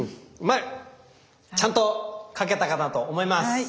まあちゃんと描けたかなと思います。